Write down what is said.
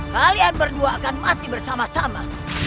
kalian berdua akan mati bersama sama